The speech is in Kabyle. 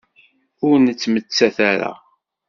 Ur nettmettat ara.